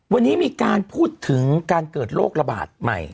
วันนี้มีการพูดถึงการเกิดโรคระบาดใหม่